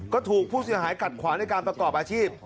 ก็ถูกผู้เสียหายขัดขวางในการประกอบอาชีพ